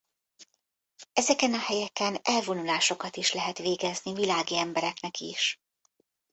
Ezeken a helyeken elvonulásokat is lehet végezni világi embereknek is.